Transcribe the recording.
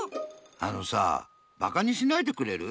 あのさぁバカにしないでくれる？